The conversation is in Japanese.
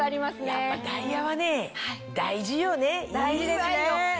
やっぱダイヤはね大事よねいいわよ！